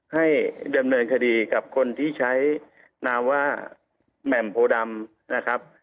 ให้ดำเนินคดีกับคนที่ใช้นามว่าแหม่มโพดำนะครับ